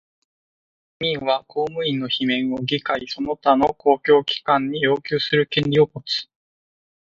人民は公務員の罷免を議会その他の公共機関に要求する権利をもつ。